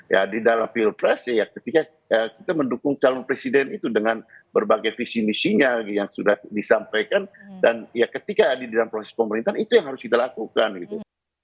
ya di dalam pilpres ya ketika kita mendukung calon presiden itu dengan berbagai visi misinya yang sudah disampaikan dan ya ketika ada di dalam proses pemerintahan itu yang harus kita lakukan gitu